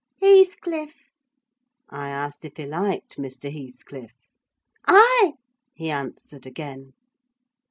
"Heathcliff." "I asked if he liked Mr. Heathcliff." "Ay!" he answered again.